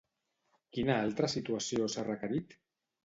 Quina altra situació s'ha requerit?